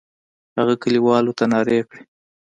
هغه کلیوالو ته نارې کړې.